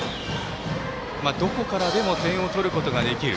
どこからでも点を取ることができる。